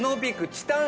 チタン？